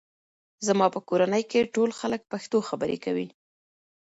زما په کورنۍ کې ټول خلک پښتو خبرې کوي.